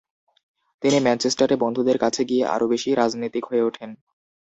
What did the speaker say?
তিনি ম্যানচেস্টারে বন্ধুদের কাছে গিয়ে আরো বেশি রাজনীতিক হয়ে ওঠেন।